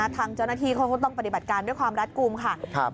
ทางเจ้าหน้าที่เขาก็ต้องปฏิบัติการด้วยความรัดกลุ่มค่ะ